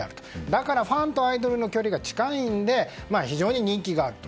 だからファンとアイドルの距離が近いので非常に人気があると。